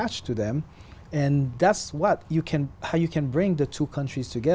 con trai của tôi